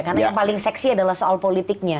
karena yang paling seksi adalah soal politiknya